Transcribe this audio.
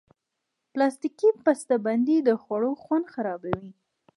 پلاستيکي بستهبندۍ د خوړو خوند خرابوي.